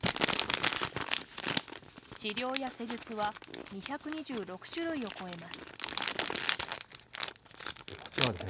治療や施術は２２６種類を超えます。